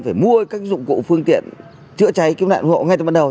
phải mua các dụng cụ phương tiện chữa cháy kiếm đạn hộ ngay từ ban đầu